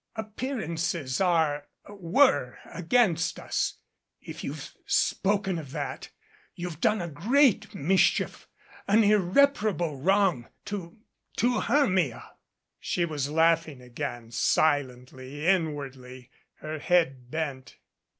"Appearances are were against us. If you've spoken of that you've done a great mischief an irreparable wrong to to Hermia." She was laughing again, silently, inwardly, her head bent.